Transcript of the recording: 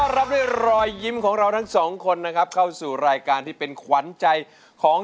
ร้องได้ให้ร้านลูกทุ่งสู้ชีวิต